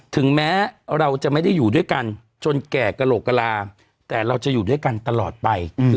ถึงแม้เราจะไม่ได้อยู่ด้วยกันจนแก่กระโหลกกระลาแต่เราจะอยู่ด้วยกันตลอดไป